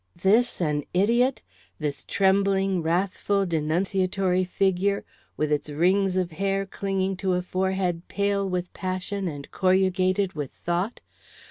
This an idiot, this trembling, wrathful, denunciatory figure, with its rings of hair clinging to a forehead pale with passion and corrugated with thought!